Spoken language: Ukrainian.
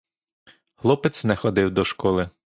Хлопець не ходив до школи.